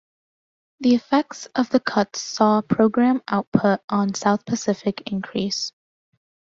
The effects of the cuts saw programme output on South Pacific increase.